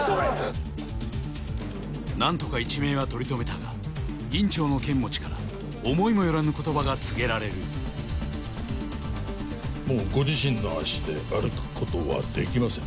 なんとか一命は取り留めたが院長の剣持から思いもよらぬ言葉が告げられるもうご自身の足で歩くことはできません